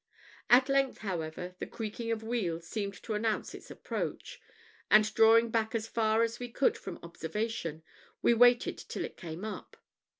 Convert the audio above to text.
At length, however, the creaking of wheels seemed to announce its approach, and, drawing back as far as we could from observation, we waited till it came up.